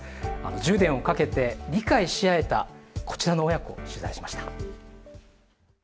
１０年をかけて理解し合えたこちらの親子を取材しました。